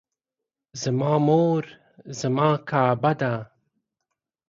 زما مور زما کعبه ده